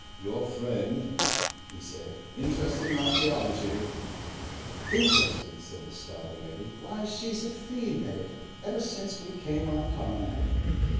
"Your friend," he said, "interested in archaeology?" "Interested!" said the stouter lady. "Why! She's a fiend at it. Ever since we came on Carnac."